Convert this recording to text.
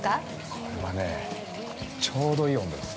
◆これはね、ちょうどいい温度です。